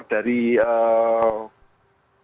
dari tuntutan mahasiswa yang di